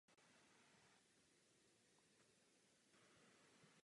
Může být udělen civilním občanům Brazílie i zahraničním civilistům za služby brazilské armádě.